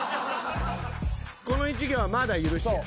この１行はまだ許してやる。